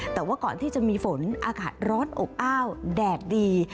แต่ว่าก่อนที่จะมีฝนอากาศร้อนอบอ้าวแดดดี